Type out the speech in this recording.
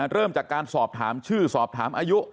เริ่มจากการสอบถามชื่อสอบถามอายุ